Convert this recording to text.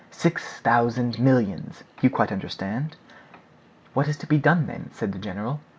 Six thousand millions! You quite understand?" "What is to be done then?" said the general.